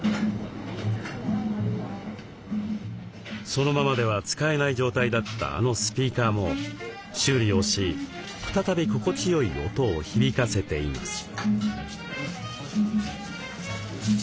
そのままでは使えない状態だったあのスピーカーも修理をし再び心地よい音を響かせています。